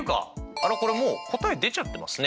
あらこれもう答え出ちゃってますね。